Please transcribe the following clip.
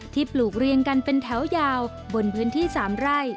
ปลูกเรียงกันเป็นแถวยาวบนพื้นที่๓ไร่